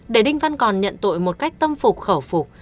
để đinh văn còn nhận tội một cách tâm phục khẩu phục